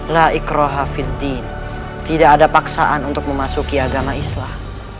la ikroha fid din tidak ada paksaan untuk memasuki agama islam